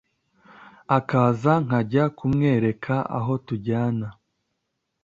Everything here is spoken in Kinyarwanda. akaza nkajya kumwereka aho tujyana.